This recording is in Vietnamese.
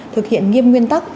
thực hiện nghiêm nguyên tắc